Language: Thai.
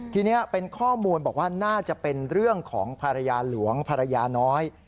ทีนี้เป็นข้อมูลบอกว่าน่าจะเป็นเรื่องของภรรยาหลวงภรรยาน้อย